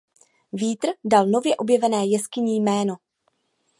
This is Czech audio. Vítr dal nově objevené jeskyni jméno.